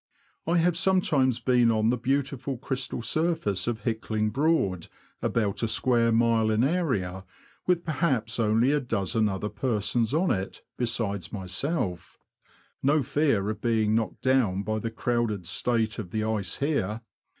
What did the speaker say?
I have sometimes been on the beautiful crystal surface of Hickling Broad, about a square mile in area, with perhaps only a dozen other persons on it besides myself ; no fear of being knocked down by the crowded state of the ice here